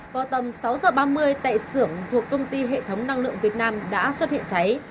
vào tầm sáu h ba mươi tại xưởng thuộc công ty hệ thống năng lượng việt nam đã xuất hiện cháy